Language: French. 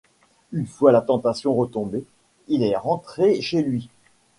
Une fois la tension retombée, il est rentré chez lui.